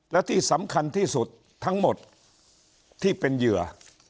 และที่สำคัญที่สุดทั้งหมดที่เป็นเหยื่อ